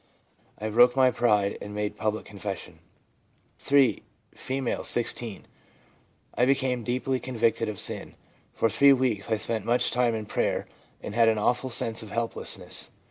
I broke my pride and made public confession/ (3.) F., 16. 'I became deeply convicted of sin; for three weeks I spent much time in prayer, and had an awful sense of helplessness.